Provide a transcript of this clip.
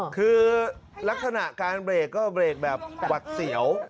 คือลักษณะการเบรกก็เบรกแบบหวัดเสียว